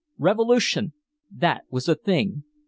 Revolution! That was the thing.